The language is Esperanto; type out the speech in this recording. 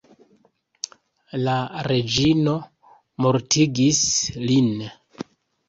La reĝino mortigis lin.